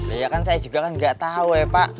iya kan saya juga gak tau eh pak